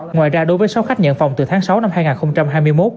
ngoài ra đối với sáu khách nhận phòng từ tháng sáu năm hai nghìn hai mươi một